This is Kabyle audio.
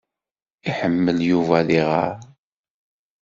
Iḥemmel Yuba ad iɣeṛ.